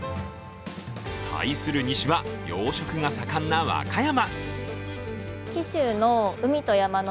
対する西は養殖が盛んな和歌山。